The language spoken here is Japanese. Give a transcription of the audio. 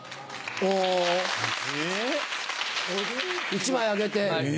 １枚あげて。